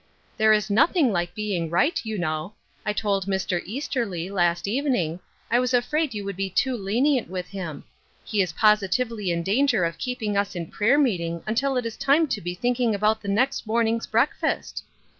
" There is nothing like beginning right, you know. I told Mr. Easterly, last evening, I was afraid you would be too lenient with him ; he is positively in danger of keeping us in prayer meeting until it is time to be thinking about the next morning's breakfast!